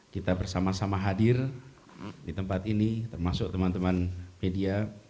kita bersama sama hadir di tempat ini termasuk teman teman media